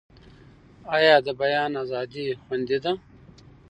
آیا د بیان ازادي خوندي ده؟